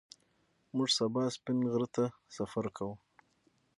موږ سبا سپین غره ته سفر کوو